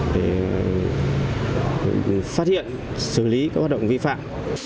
để phát hiện xử lý các hoạt động vi phạm